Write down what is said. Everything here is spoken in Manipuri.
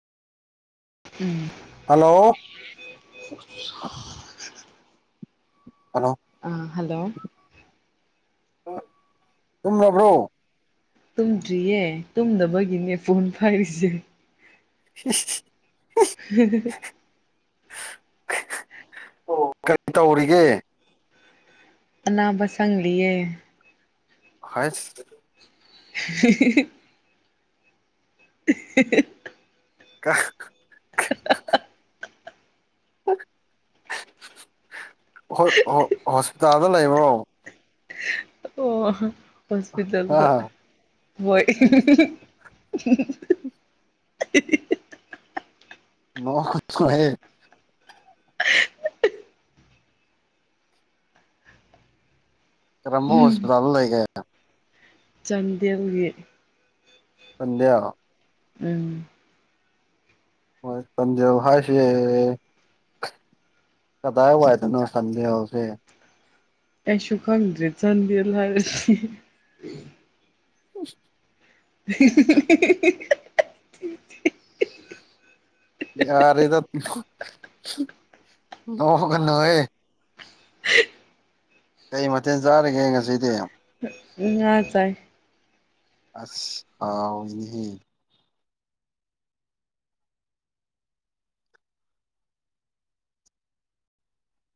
ꯎꯝ ꯍꯜꯂꯣ [inaudible] ꯍꯜꯂꯣ ꯑꯥ ꯍꯜꯂꯣ ꯇꯨꯝꯂꯕ꯭ꯔꯣ ꯇꯨꯝꯗ꯭ꯔꯤꯌꯦ ꯇꯨꯝꯗꯕꯒꯤꯅꯦ ꯐꯣꯟ ꯄꯥꯢꯔꯤꯁꯦ [unintelligible] ꯎ [unintelligible] ꯑꯣ ꯀꯔꯤ ꯇꯧꯔꯤꯒꯦ ꯑꯅꯥꯕ ꯁꯥꯡꯂꯤꯌꯦ ꯍꯩꯁ [unintelligible] ꯍ [unintelligible] ꯀꯥ [unintelligible] [unintelligible] ꯍꯣꯏ ꯍꯣꯁꯄꯤꯇꯥꯜꯗ ꯂꯩꯕ꯭ꯔꯣ ꯑꯣ ꯍꯣꯁꯄꯤꯇꯥꯜꯗ ꯑꯥ ꯍꯣꯏ ꯃꯧꯋꯥ [unintelligible] ꯑ [unintelligible] ꯀꯔꯝꯕ ꯍꯣꯁꯄꯤꯇꯥꯜꯗ ꯂꯩꯒꯦ ꯆꯥꯟꯗꯦꯜꯒꯤ ꯆꯥꯟꯗꯦꯜꯒꯤ ꯎꯝ ꯍꯣꯏ ꯇꯥꯝꯕꯤꯌꯣ ꯍꯥꯏꯔꯁꯨ ꯌꯥꯢꯌꯦ ꯀꯗꯥꯏ ꯋꯥꯏꯗꯅꯣ [unintelligible] ꯑꯦꯁꯨꯨ ꯈꯪꯗ꯭ꯔꯦ ꯆꯥꯟꯗꯤ ꯂ ꯍꯥꯏꯔꯗꯤ [unintelligible] [unintelligible] [unintelligible] ꯌꯥꯔꯦꯗ ꯅꯣꯡ ꯀꯅꯣꯑꯦ ꯀꯩ ꯃꯊꯦꯜ ꯆꯥꯔꯤꯒꯦ ꯉꯁꯤꯗꯤ ꯉꯥ ꯆꯥꯏ ꯑꯁ ꯍꯥꯎꯅꯤꯍꯦ